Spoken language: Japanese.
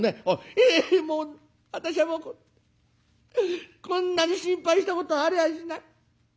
「えもう私はもうこんなに心配したことはありゃあしない。